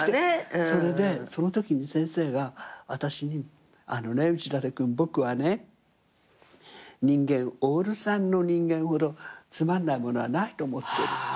それでそのときに先生が私に「あのね内館君僕はね人間オール３の人間ほどつまんないものはないと思ってる」